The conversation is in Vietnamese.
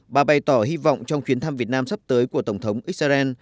bà bày tỏ hy vọng trong chuyến thăm việt nam sắp tới của tổng thống israel